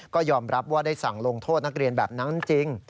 ก็ยอมรับว่าได้สั่งลงโทษนักเรียนแบบนั้นจริง